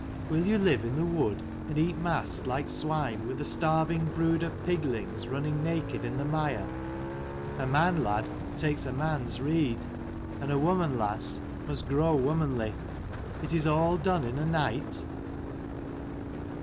Will you live in the wood, and eat mast like swine, with a starving brood of piglings running naked in the mire ? A man, lad, takes a man's rede: and a woman, lass, must grow womanly. Is it all done in a night?"